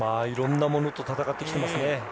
いろんなものと闘ってきていますね。